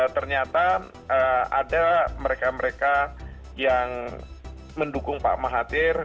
ternyata ada mereka mereka yang mendukung pak mahathir